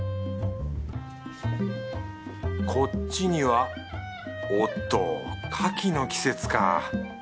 こっちにはおっとカキの季節か。